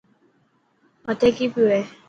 مٿي ڪي پيو هي.